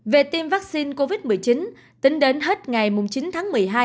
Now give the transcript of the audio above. về tiêm vaccine covid một mươi chín tính đến hết ngày chín tháng một mươi hai